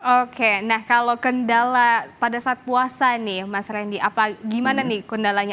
oke nah kalau kendala pada saat puasa nih mas randy gimana nih kendalanya